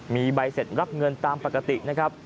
มีใบเสร็จรับเงินตามปกตินะครับ